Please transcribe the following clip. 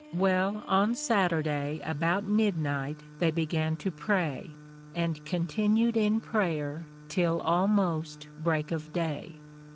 Well on Saturday about midnight they began to pray, and continued in Prayer till almost break of day.